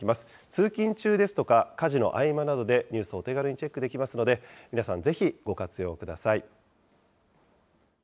通勤中ですとか、家事の合間などでニュースをお手軽にチェックできますので、皆さんぜひご活用ください。